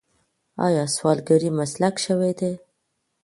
آیا سوالګري مسلک شوی دی؟